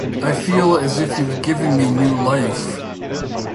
I feel as if you’d given me new life.